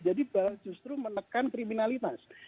jadi justru menekan kriminalitas